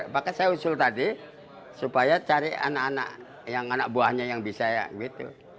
maka saya usul tadi supaya cari anak anak yang anak buahnya yang bisa gitu